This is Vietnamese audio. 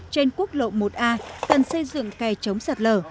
trên quốc lộ một a cần xây dựng kè chống sạt lở